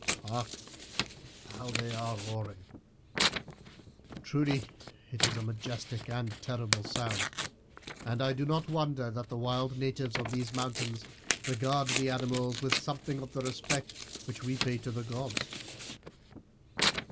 Hark, how they are roaring! Truly it is a majestic and terrible sound, and I do not wonder that the wild natives of these mountains regard the animals with something of the respect which we pay to the gods.